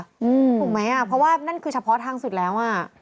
ถูกไหมอ่ะเพราะว่านั่นคือเฉพาะทางสุดแล้วอ่ะ